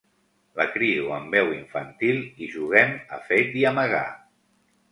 La crido amb veu infantil i juguem a fet i amagar.